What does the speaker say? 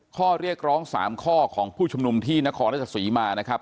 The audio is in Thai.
ข้อเรียกร้อง๓ข้อของผู้ชุมนุมที่นครราชสีมานะครับ